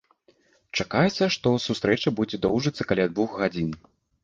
Чакаецца, што сустрэча будзе доўжыцца каля двух гадзін.